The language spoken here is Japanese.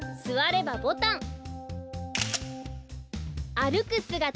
すわればボタン。